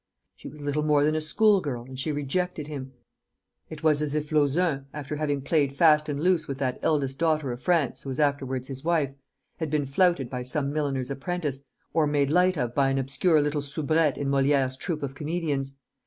She was little more than a schoolgirl, and she rejected him. It was us if Lauzun, after having played fast and loose with that eldest daughter of France who was afterwards his wife, had been flouted by some milliner's apprentice, or made light of by an obscure little soubrette in Molière's troop of comedians.